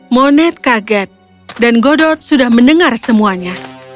moned kaget dan godot sudah mendengar semuanya